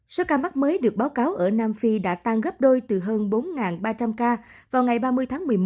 số ca mắc mới được báo cáo ở nam phi đã tăng gấp đôi từ hơn bốn ba trăm linh ca vào ngày ba mươi tháng một mươi một